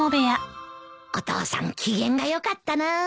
お父さん機嫌が良かったな。